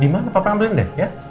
di mana papa ngambilin deh ya